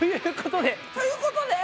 ということで？